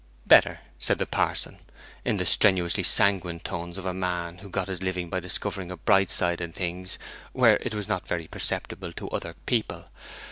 'Better!' said the parson, in the strenuously sanguine tones of a man who got his living by discovering a bright side in things where it was not very perceptible to other people.